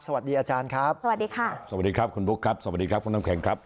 สวัสดีอาจารย์ครับสวัสดีค่ะสวัสดีครับคุณบุ๊คครับสวัสดีครับคุณน้ำแข็งครับ